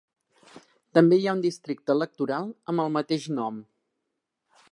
També hi ha un districte electoral amb el mateix nom.